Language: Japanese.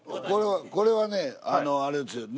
これはねあれですよ。